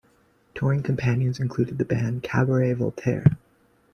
Touring companions included the band Cabaret Voltaire.